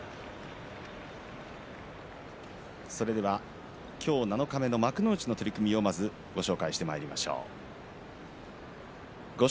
それでは今日七日目の幕内の取組をご紹介してまいりましょう。